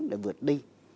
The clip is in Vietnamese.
để vượt đi